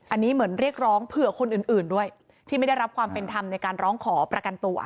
อันนี้เหมือนเรียกร้องเผื่อคนอื่นด้วยที่ไม่ได้รับความเป็นธรรมในการร้องขอประกันตัว